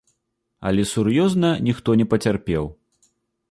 Але сур'ёзна ніхто не пацярпеў.